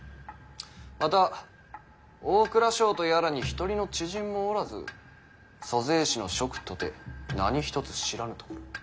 また大蔵省とやらに一人の知人もおらず租税司の職とて何一つ知らぬところ。